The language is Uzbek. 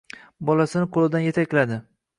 Bolasini qo‘lidan yetakladi.